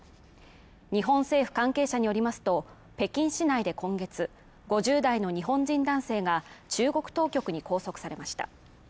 日本政府関係者によりますと、北京市内で今月５０代の日本人男性が中国当局に拘束されました。